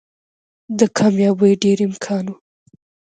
د کاميابۍ ډېر امکان وو